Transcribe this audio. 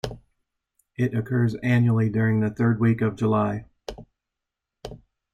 It occurs annually during the third week of July.